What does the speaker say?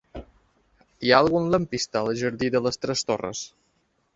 Hi ha algun lampista al jardí de les Tres Torres?